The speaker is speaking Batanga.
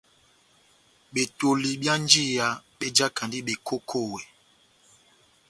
Betoli byá njiya bejakandi bekokowɛ.